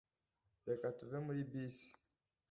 reka tuve muri bisi